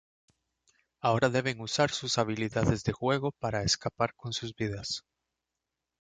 Ahora deben usar sus habilidades de juego para escapar con sus vidas.